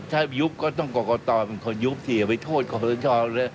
ถ้ายุบก็ต้องกรกฎต่อเป็นคนยุบที่จะไปโทษครอสเตอร์ชอ